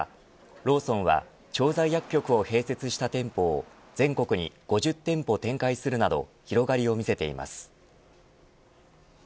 ローソンは調剤薬局を併設した店舗を全国に５０店舗展開するなど広がりを見せています。